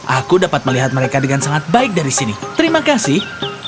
aku dapat melihat mereka dengan sangat baik dari sini terima kasih